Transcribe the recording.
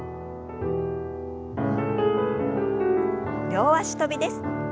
両脚跳びです。